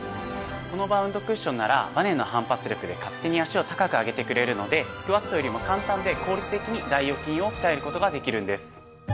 このバウンドクッションならバネの反発力で勝手に脚を高く上げてくれるのでスクワットよりも簡単で効率的に大腰筋を鍛える事ができるんです。